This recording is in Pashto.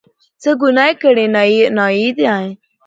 څه ګناه یې کړې، نایي دی.